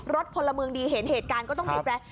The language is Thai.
รถพ่อละเมืองดีเห็นเหตุการณ์ก็ต้องหยิบแรง